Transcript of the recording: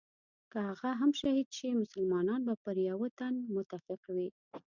که هغه هم شهید شي مسلمانان به پر یوه تن متفق وي.